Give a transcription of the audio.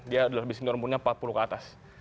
dia bisnis normurnya empat puluh ke atas